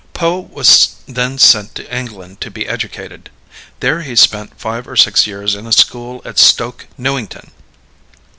Poe was then sent to England to be educated. There he spent five or six years in a school at Stoke Newington.